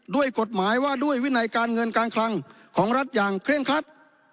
ด้วยกฎหมายว่าด้วยวินัยการเงินการคลังของรัฐอย่างเคร่งครัด